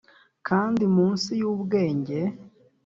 kandi munsi yubwenge;